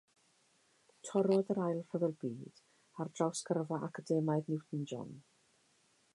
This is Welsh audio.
Torrodd yr Ail Ryfel Byd ar draws gyrfa academaidd Newton-John.